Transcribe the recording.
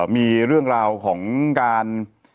มีเรื่องราวของการ